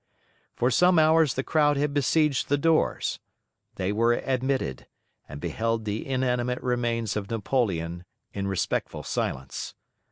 For some hours the crowd had besieged the doors; they were admitted, and beheld the inanimate remains of Napoleon in respectful silence.